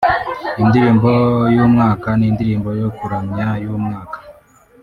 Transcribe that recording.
Indirimbo y’Umwaka n’Indirimbo yo kuramya y’Umwaka